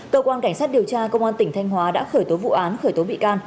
cơ quan cảnh sát điều tra công an tỉnh thanh hóa đã khởi tố vụ án khởi tố bị can